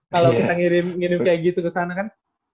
kalau kita ngirim kayak gitu kesana kan